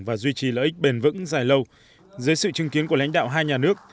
và duy trì lợi ích bền vững dài lâu dưới sự chứng kiến của lãnh đạo hai nhà nước